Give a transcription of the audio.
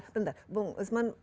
bentar bung usman